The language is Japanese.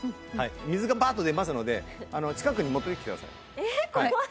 水がバーッと出ますので近くに持ってきてください。